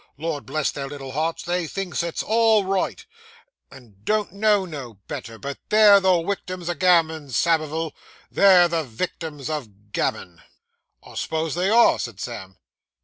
Lord bless their little hearts, they thinks it's all right, and don't know no better; but they're the wictims o' gammon, Samivel, they're the wictims o' gammon.' 'I s'pose they are,' said Sam.